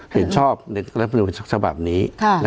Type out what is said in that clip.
เห็นชอบรัฐมนูลสภาพนี้